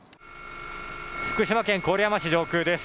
福島県郡山市上空です。